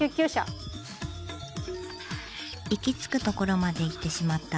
行き着くところまで行ってしまったしまだ先生。